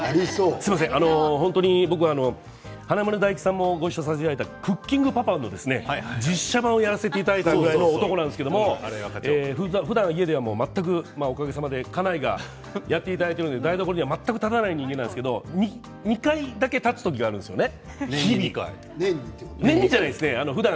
すいません、本当に僕は華丸・大吉さんもごいっしょさせていただいた「クッキングパパ」の実写版をやらせていただいた男なんですけれどもふだん家では全く、おかげさまで家内がやっていただけるので台所には全く立たない人間なので２回だけ立った時があるんですよね。